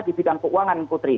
di bidang keuangan putri